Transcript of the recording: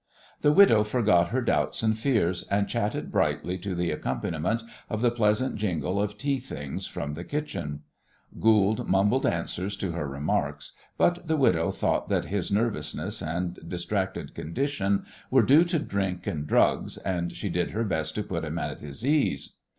The widow forgot her doubts and fears, and chatted brightly to the accompaniment of the pleasant jingle of tea things from the kitchen. Goold mumbled answers to her remarks, but the widow thought that his nervousness and distracted condition were due to drink and drugs, and she did her best to put him at his ease.